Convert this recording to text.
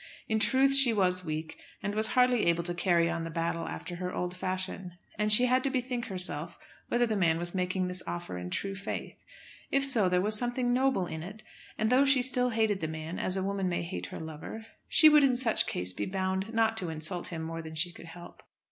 In truth she was weak, and was hardly able to carry on the battle after her old fashion. And she had to bethink herself whether the man was making this offer in true faith. If so, there was something noble in it; and, though she still hated the man, as a woman may hate her lover, she would in such case be bound not to insult him more than she could help.